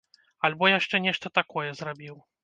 Альбо яшчэ нешта такое зрабіў.